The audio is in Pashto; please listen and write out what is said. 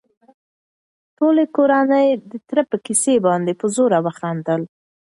ټوله کورنۍ د تره په کيسه باندې په زوره وخندل.